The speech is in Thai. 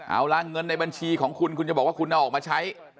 เอาล่ะเงินในบัญชีของคุณคุณจะบอกว่าคุณเอาออกมาใช้